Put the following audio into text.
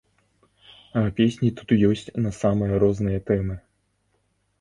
А песні тут ёсць на самыя розныя тэмы.